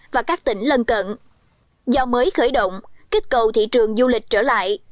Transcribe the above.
và các tỉnh lân cận do mới khởi động kích cầu thị trường du lịch trở lại